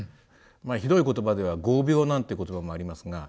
ひどい言葉では「業病」なんて言葉もありますが。